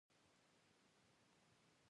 اخره زمانه شوه، د چرګانو یارانه شوه.